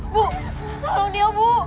bu tolong dia bu